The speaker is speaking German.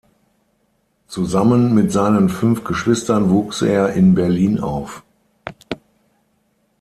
Zusammen mit seinen fünf Geschwistern wuchs er in Berlin auf.